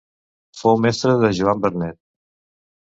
Fou mestre de Joan Vernet.